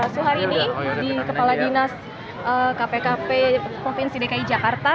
suharini di kepala dinas kpkp provinsi dki jakarta